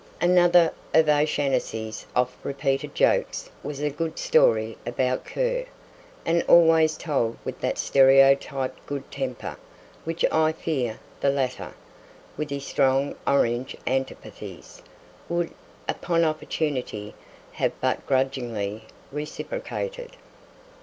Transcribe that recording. Another of O'Shanassy's oft repeated jokes was a good story about Kerr, and always told with that stereotyped good temper which I fear the latter, with his strong Orange antipathies, would, upon opportunity, have but grudgingly reciprocated.